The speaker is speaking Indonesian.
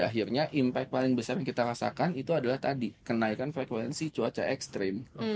jadi akhirnya impact paling besar yang kita rasakan itu adalah tadi kenaikan frekuensi cuaca ekstrim